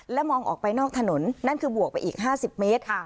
และมองออกไปนอกถนนนั่นคือบวกไปอีก๕๐เมตรค่ะ